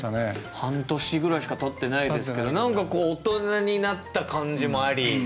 半年ぐらいしかたってないですけど何かこう大人になった感じもあり。